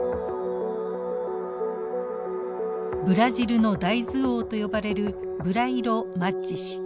ブラジルの大豆王と呼ばれるブライロ・マッジ氏。